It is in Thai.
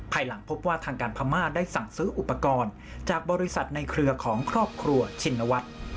หลังพบว่าทางการพม่าได้สั่งซื้ออุปกรณ์จากบริษัทในเครือของครอบครัวชินวัฒน์